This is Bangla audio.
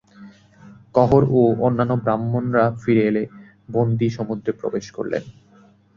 কহোড় ও অন্যান্য ব্রাহ্মণরা ফিরে এলে বন্দী সমুদ্রে প্রবেশ করলেন।